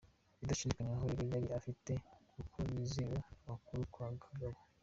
Bidashidikanywaho rero yari afite uko yizewe ibukuru kwa Gbagbo.